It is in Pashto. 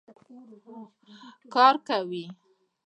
کار کوي.